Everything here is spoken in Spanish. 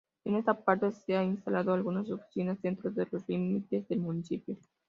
En esta parte se han instalado algunas oficinas dentro de los límites del municipio.